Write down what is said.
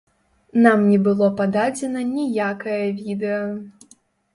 Нам не было пададзена ніякае відэа.